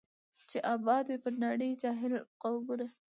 چي آباد وي پر نړۍ جاهل قومونه